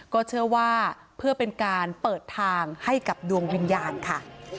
ก็เชื่อว่าเพื่อเป็นการเปิดทางให้กับดวงวิญญาณค่ะ